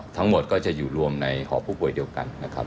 ทั้งหมดก็จะอยู่รวมในหอผู้ป่วยเดียวกันนะครับ